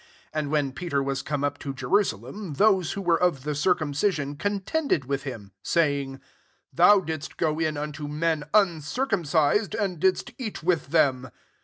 2 And when Peter was come up to Jerusalem, those who were of the circumcision contended with him, 3 saying, " Thou didst go in unto men uncircumcised, and didst eat with them."